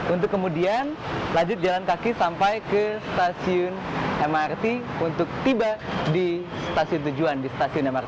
untuk kemudian lanjut jalan kaki sampai ke stasiun mrt untuk tiba di stasiun tujuan di stasiun mrt